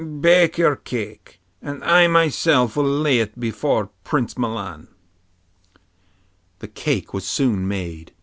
Bake your cake, and I myself will lay it before Prince Milan.' The cake was soon made.